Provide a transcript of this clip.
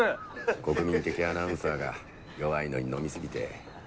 国民的アナウンサーが弱いのに飲み過ぎて。